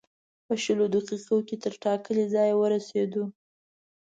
په شلو دقیقو کې تر ټاکلي ځایه ورسېدو.